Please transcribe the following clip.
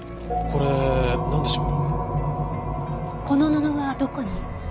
この布はどこに？